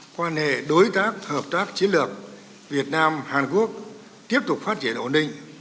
quan hệ đối tác hợp tác chiến lược việt nam hàn quốc tiếp tục phát triển ổn định